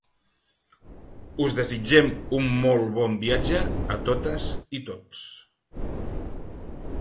Us desitgem un molt bon viatge a totes i tots.